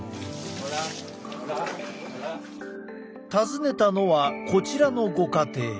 訪ねたのはこちらのご家庭。